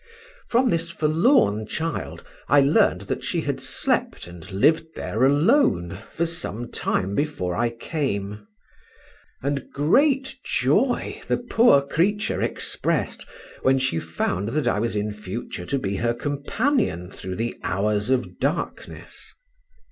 From this forlorn child I learned that she had slept and lived there alone for some time before I came; and great joy the poor creature expressed when she found that I was in future to be her companion through the hours of darkness.